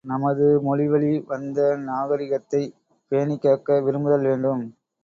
நமது மொழிவழி வந்த நாகரிகத்தைப் பேணிக்காக்க விரும்புதல் வேண்டும்.